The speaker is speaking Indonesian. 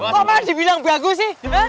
kok malah dibilang bagus sih